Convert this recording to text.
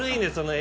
Ａ